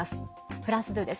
フランス２です。